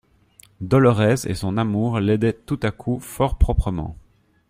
Dolorès et son amour l'aidaient tout à coup fort proprement.